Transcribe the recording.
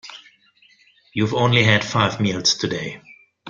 You've only had five meals today.